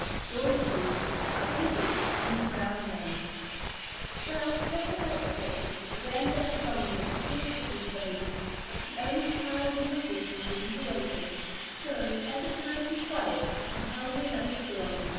STORY II UNCLE WIGGILY AND THE BROWN WREN Well, just as I expected, the granddaddy longlegs did tickle the baby, but she only smiled in her sleep, and didn't awaken, so, as it's nice and quiet I can tell you another story.